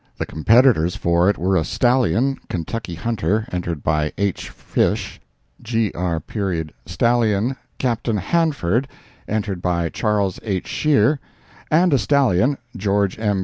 The competitors for it were a stallion "Kentucky Hunter," entered by H. Fish; gr. stallion "Captain Hanford," entered by Charles H. Shear; and a stallion "George M.